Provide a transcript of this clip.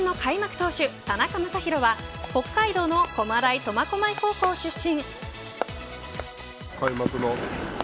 投手田中将大、北海道の駒大苫小牧高校出身。